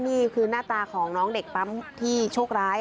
นี่คือหน้าตาของน้องเด็กปั๊มที่โชคร้าย